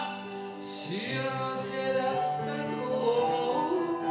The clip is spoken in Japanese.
「幸せだったと思う」